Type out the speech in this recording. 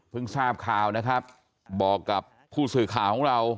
ทราบข่าวนะครับบอกกับผู้สื่อข่าวของเรา